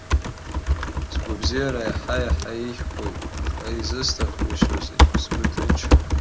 Сгәабзиара иаҳа-иаҳа еиӷьхоит, аха изысҭахгәышьоузеи, сгәы ҭынчым.